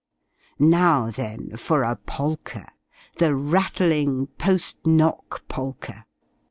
Now, then, for a polka! the rattling "Post knock Polka!"